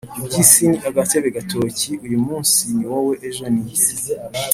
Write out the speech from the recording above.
Ibyisi ni gatebe gatoki uyumumnsi niwowe ejo ninjye